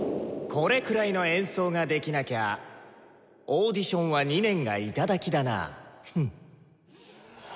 このくらいの演奏ができなきゃオーディションは２年がいただきだな！